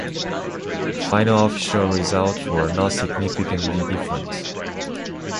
The final official results were not significantly different.